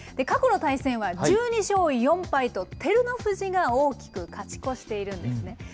過去の対戦は１２勝４敗と、照ノ富士が大きく勝ち越しているんですね。